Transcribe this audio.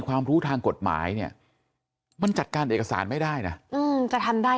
ความรู้ทางกฎหมายเนี่ยมันจัดการเอกสารไม่ได้นะจะทำได้